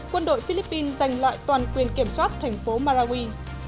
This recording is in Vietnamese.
quân đội philippines giành lại toàn quyền kiểm soát thành phố marawi